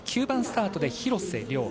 ９番スタートで廣瀬峻